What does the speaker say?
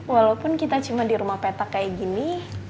walaupun kita cuma di rumah petak kayak gini